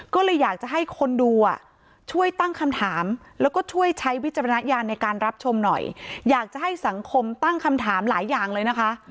ก็เลยอยากจะให้คนดูช่วยตั้งคำถามแล้วก็ช่วยใช้วิจารณญาณในการรับชมหน่อยอยากจะให้สังคมตั้งคำถามหลายอย่างเลยนะคะ